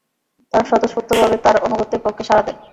তাঁরা স্বতঃস্ফূর্তভাবে তাঁর আনুগত্যের পক্ষে সাড়া দেন।